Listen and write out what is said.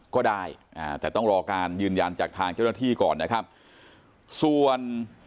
ก็ได้อ่าแต่ต้องรอการยืนยันจากทางเจ้าหน้าที่ก่อนนะครับส่วน